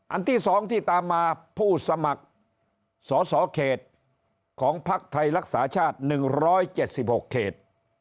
ที่๒ที่ตามมาผู้สมัครสอสอเขตของภักดิ์ไทยรักษาชาติ๑๗๖เขต